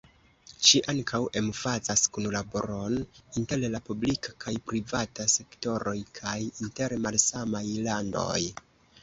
Ĝi ankaŭ emfazas kunlaboron inter la publika kaj privata sektoroj kaj inter malsamaj landoj.